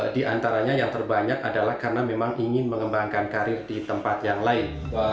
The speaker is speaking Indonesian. di antaranya yang terbanyak adalah karena memang ingin mengembangkan karir di tempat yang lain